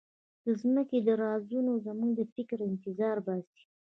د ځمکې دا رازونه زموږ د فکر انتظار باسي.